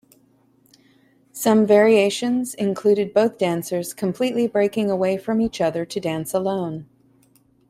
Some variations included both dancers completely breaking away from each other to dance 'alone'.